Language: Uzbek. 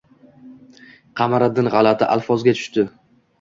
Qamariddin g‘alati alfozga tushdi